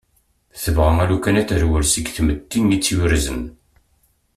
Tebɣa alukan ad terwel deg tmetti itt-yurzen.